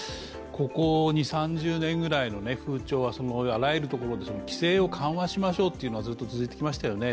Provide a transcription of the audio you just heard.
ここ２０３０年の風潮はあらゆるところで規制を緩和しましょうということがずっと続いてきましたよね。